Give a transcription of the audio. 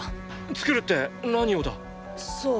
作るって何をだ？さあ。